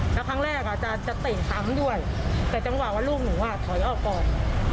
แล้วครั้งแรกอาจจะเตะซ้ำด้วยแต่จังหวะว่าลูกหนูอ่ะถอยออกก่อน